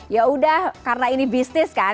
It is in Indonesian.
ya udah karena ini bisnis kan